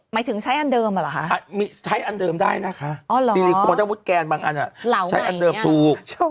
หมายถึงใช้อันเดิมเหรอคะใช้อันเดิมได้นะคะซิลิโคนถ้ามุติแกนบางอันใช้อันเดิมถูก